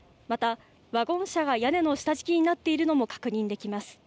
また、ワゴン車が屋根の下敷きになっているのも確認できます。